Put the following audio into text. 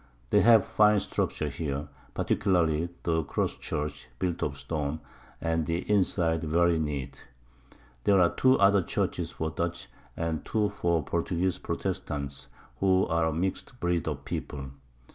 They have fine Structures here, particularly the Cross Church, built of Stone, and the inside very neat. There are 2 other Churches for the Dutch, and 2 for the Portugueze Protestants; who are a mixed Breed of People.